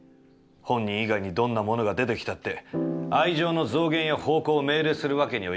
本人以外にどんなものが出て来たって、愛情の増減や方向を命令する訳には行かない」。